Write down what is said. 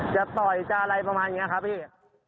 จะต่อยจะอะไรประมาณอย่างนี้ครับพี่